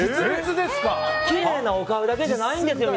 きれいなお顔だけじゃないんですよ！